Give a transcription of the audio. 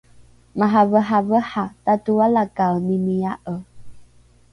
maraveravera tatoalakaenimia’e